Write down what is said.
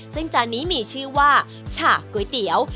ซึ่งจานนี้มีชื่อว่าฉากก๋วยเตี๋ยว